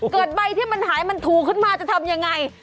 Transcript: ใบที่มันหายมันถูกขึ้นมาจะทำยังไง